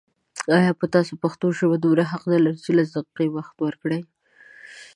آيا په تاسو پښتو ژبه دومره حق نه لري چې لس دقيقې وخت ورکړئ